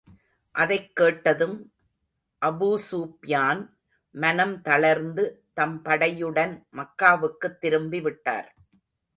அதைக் கேட்டதும், அபூஸூப்யான் மனம் தளர்ந்து, தம் படையுடன் மக்காவுக்குத் திரும்பி விட்டார்.